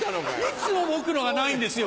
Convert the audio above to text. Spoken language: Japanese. いつも僕のがないんですよ